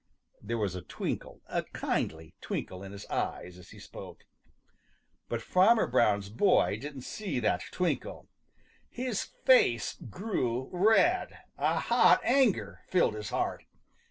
There was a twinkle, a kindly twinkle in his eyes as he spoke. But Farmer Brown's boy didn't see that twinkle. His face grew red. A hot anger filled his heart.